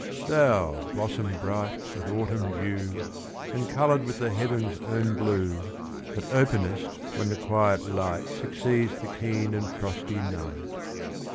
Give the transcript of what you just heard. Thou blossom bright with autumn dew, And coloured with the heaven's own blue, That openest when the quiet light Succeeds the keen and frosty night.